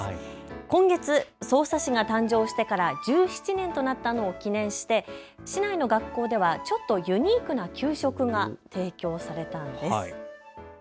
今月、匝瑳市が誕生してから１７年となったのを記念して市内の学校ではちょっとユニークな給食が提供されたんです。